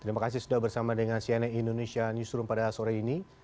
terima kasih sudah bersama dengan cnn indonesia newsroom pada sore ini